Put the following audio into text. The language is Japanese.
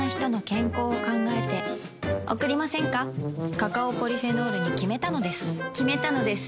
カカオポリフェノールに決めたのです決めたのです。